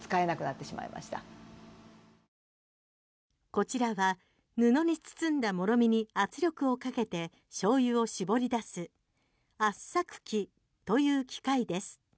こちらは布に包んだもろみに圧力をかけてしょうゆを搾り出す圧搾機という機械です。